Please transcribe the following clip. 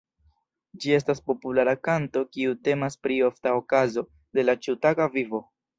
Ĝi estas populara kanto kiu temas pri ofta okazo de la ĉiutaga vivo.